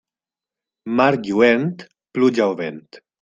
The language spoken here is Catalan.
Mar lluent, pluja o vent.